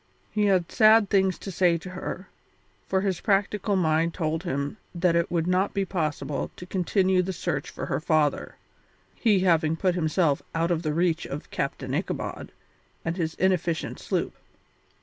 He had sad things to say to her, for his practical mind told him that it would not be possible to continue the search for her father, he having put himself out of the reach of Captain Ichabod and his inefficient sloop.